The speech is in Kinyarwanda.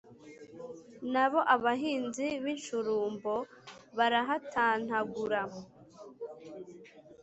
na bo abahinzi b'i shurumbo barahatantagura.